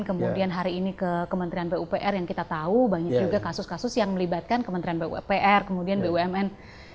kemudian hari ini ke kementerian pupr yang kita tahu banyak juga kasus kasus yang melibatkan kementerian pupr kemudian bumn